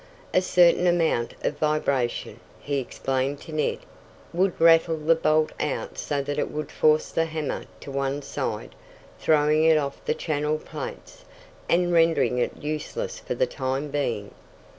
A certain amount of vibration, he explained to Ned, would rattle the bolt out so that it would force the hammer to one side, throwing it off the channel plates, and rendering it useless for the time being.